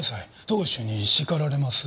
当主に叱られます。